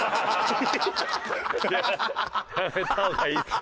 やめた方がいいです。